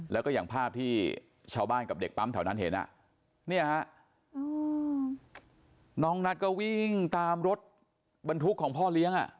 แล้วก็อย่างภาพที่ชาวบ้านกับเด็กปั๊มแถวนั้นเห็นเนี่ยฮะน้องนัทก็วิ่งตามรถบรรทุกของพ่อเลี้ยง